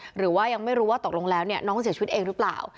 หรือว่ายังไม่รู้ว่าตกลงแล้วน้องเสียชีวิตเองหรือเปล่า